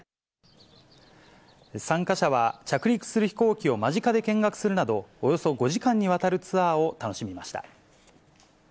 参加者は、着陸する飛行機を間近で見学するなど、およそ５時間にわたるツアーを楽しみました。